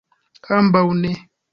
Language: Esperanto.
Ambaŭ ne.